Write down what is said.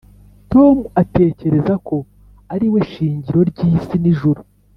tom atekereza ko ari we shingiro ry'isi n'ijuru